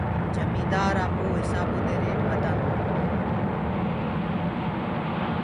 جميندآر آپوڪآ هسآبو دي ريٽ ٻتآندو هي